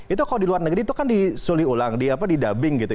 itu kalau di luar negeri itu kan disuli ulang di dubbing gitu